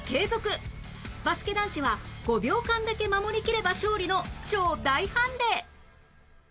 バスケ男子は５秒間だけ守りきれば勝利の超大ハンデ！